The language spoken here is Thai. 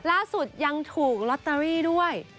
ล่าสุดยังถูกลอตเตอรี่ด้วย